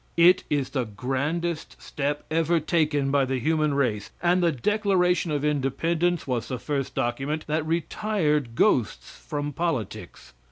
It is the grandest step ever taken by the human race and the Declaration of Independence was the first document that retired ghosts from politics.